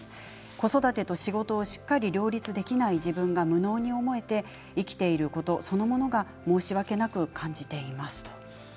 子育てと仕事をしっかり両立できない自分が無能に思えて生きていること、そのものが申し訳なく感じています。